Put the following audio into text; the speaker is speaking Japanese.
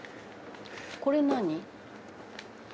これ何？